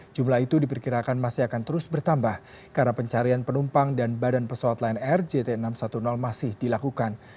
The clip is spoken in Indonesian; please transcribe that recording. jumlah itu diperkirakan masih akan terus bertambah karena pencarian penumpang dan badan pesawat lion air jt enam ratus sepuluh masih dilakukan